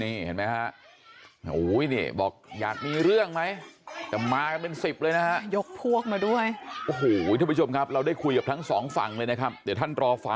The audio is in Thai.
นี่เห็นไหมฮะโอ้โหเนี่ยบอกอยากมีเรื่องไหมจะมากันเป็นสิบเลยนะฮะยกพวกมาด้วยโอ้โหทุกผู้ชมครับเราได้คุยกับทั้งสองฝั่งเลยนะครับเดี๋ยวท่านตรอฝ่า